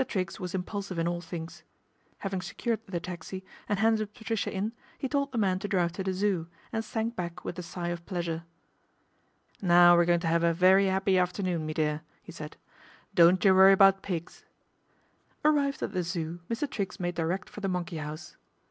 Triggs was impulsive in all things. Having secured the taxi and handed Patricia in, he told the man to drive to the Zoo, and sank back with a sigh of pleasure. " Now we're going to 'ave a very 'appy after noon, me dear," he said. " Don't you worry about pigs." Arrived at the Zoo, Mr. Triggs made direct for the monkey house.